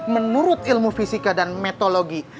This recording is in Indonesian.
menurut ilmu fisika dan metodologi